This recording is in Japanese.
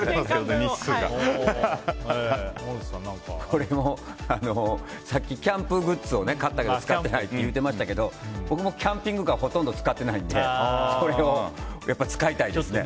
俺も、さっきキャンプグッズを買ったけど使ってないって言ってましたけど僕もキャンピングカーを全然使ってないのでそれを使いたいですね。